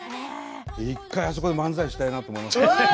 １回、あそこで漫才したいなと思いました。